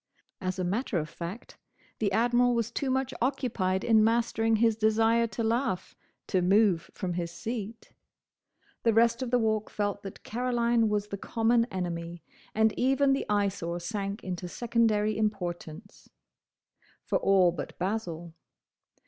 As a matter of fact the Admiral was too much occupied in mastering his desire to laugh, to move from his seat. The rest of the Walk felt that Caroline was the common enemy, and even the Eyesore sank into secondary importance. For all but Basil.